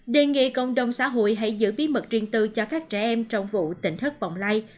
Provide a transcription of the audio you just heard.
đề nghị cộng đồng xã hội hãy giữ bí mật riêng tư cho các trẻ em trong vụ tỉnh thất bọng lây